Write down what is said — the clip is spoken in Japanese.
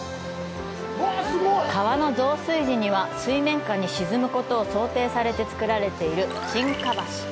川の増水時には水面下に沈むことを想定されて造られている沈下橋。